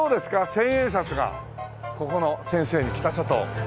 千円札がここの先生北里。